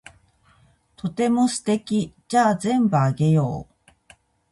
とっても素敵。じゃあ全部あげよう。